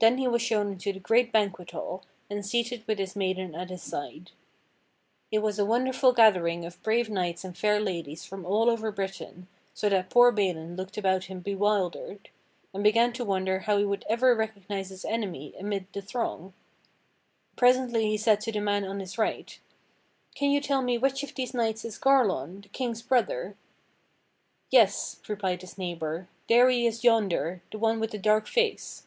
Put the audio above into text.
Then he was shown into the great banquet hall, and seated with his maiden at his side. It was a wonderful gathering of brave knights and fair ladies from all over Britain, so that poor Balin looked about him bewildered. 102 THE STORY OF KING ARTHUR and began to wonder how he would ever recognize his enemy amid the throng. Presently he said to the man on his right: "Can you tell me which of these knights is Garlon, the King's brother "Yes," replied his neighbor, "there he is yonder, the one with the dark face."